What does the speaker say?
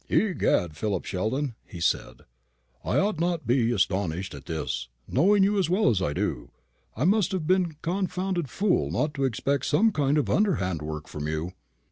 "Egad, Phil Sheldon," he said, "I ought not to be astonished at this. Knowing you as well as I do, I must have been a confounded fool not to expect some kind of underhand work from you."